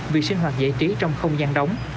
vì sinh hoạt giải trí trong không gian đóng